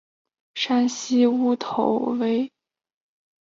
山西乌头为毛茛科乌头属下的一个种。